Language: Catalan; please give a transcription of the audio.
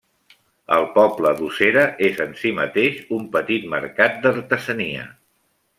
El poble d'Ossera és en si mateix un petit mercat d'artesania.